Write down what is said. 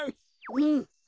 うん！